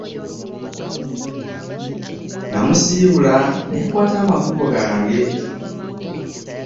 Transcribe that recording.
Nnamusiibula ne nkwata amakubo gange.